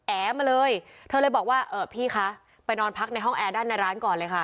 แอ๋มาเลยเธอเลยบอกว่าเออพี่คะไปนอนพักในห้องแอร์ด้านในร้านก่อนเลยค่ะ